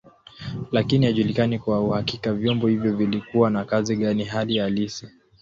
Lakini haijulikani kwa uhakika vyombo hivyo vilikuwa na kazi gani hali halisi.